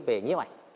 về nhấp ảnh